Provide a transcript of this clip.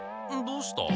どうした？